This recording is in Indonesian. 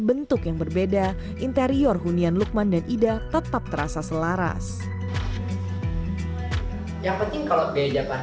bentuk yang berbeda interior hunian lukman dan ida tetap terasa selaras yang penting kalau jatah